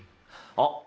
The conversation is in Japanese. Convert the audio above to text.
あっ！